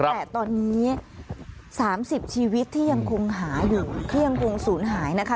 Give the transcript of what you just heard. แต่ตอนนี้๓๐ชีวิตที่ยังคงหาอยู่ที่ยังคงศูนย์หายนะคะ